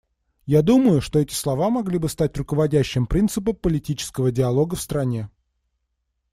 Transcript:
Я думаю, что эти слова могли бы стать руководящим принципом политического диалога в стране.